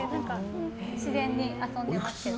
自然に遊んでますよ。